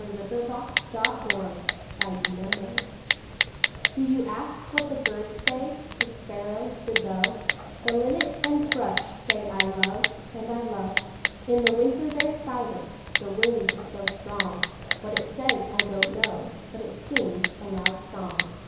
ANSWER TO A CHILD'S QUESTION[386:1] Do you ask what the birds say? The Sparrow, the Dove, The Linnet and Thrush say, 'I love and I love!' In the winter they're silent the wind is so strong; What it says, I don't know, but it sings a loud song.